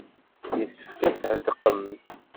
Yessefk ad tḥedqem.